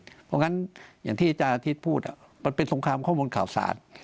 เพราะฉะนั้นอย่างที่อาจารย์อาทิตย์พูดมันเป็นสงครามข้อมูลข่าวสาร